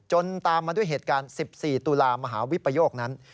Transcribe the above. ตามมาด้วยเหตุการณ์๑๔ตุลามหาวิปโยคนั้น